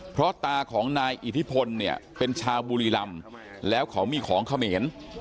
เพราะตาของนายอิทธิพลเนี่ยเป็นชาวบุรีรำแล้วเขามีของเขมร